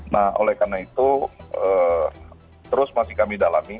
nah oleh karena itu terus masih kami dalami